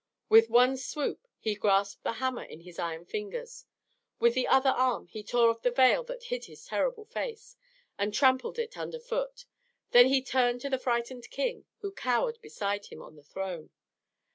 With one swoop he grasped the hammer in his iron fingers; with the other arm he tore off the veil that hid his terrible face, and trampled it under foot; then he turned to the frightened king, who cowered beside him on the throne.